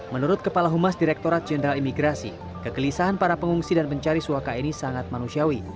menurut kepala humas direktorat jenderal imigrasi kegelisahan para pengungsi dan pencari suaka ini sangat manusiawi